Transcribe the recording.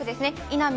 稲見